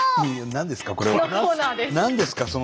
何ですか？